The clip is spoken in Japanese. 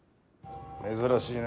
珍しいね